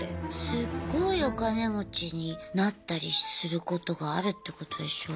すっごいお金持ちになったりすることがあるってことでしょ？